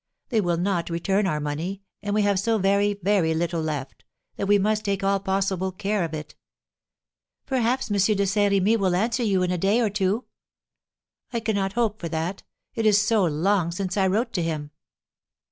They will not return our money; and we have so very, very little left, that we must take all possible care of it." "Perhaps M. de Saint Remy will answer you in a day or two." "I cannot hope for that. It is so long since I wrote to him."